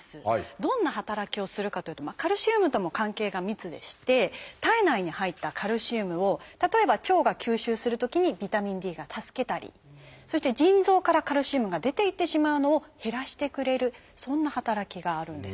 どんな働きをするかというとカルシウムとも関係が密でして体内に入ったカルシウムを例えば腸が吸収するときにビタミンＤが助けたりそして腎臓からカルシウムが出ていってしまうのを減らしてくれるそんな働きがあるんです。